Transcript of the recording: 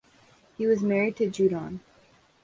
He was married to Judon.